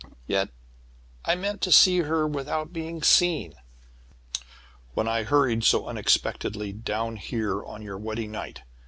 "Yet I had meant to see her without being seen, when I hurried so unexpectedly down here on your wedding night.